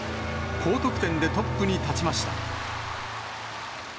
高得点でトップに立ちました。